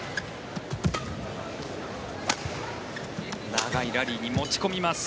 長いラリーに持ち込みます。